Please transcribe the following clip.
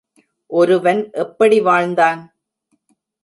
ஒருவன் எப்படி வாழ்ந்தான்?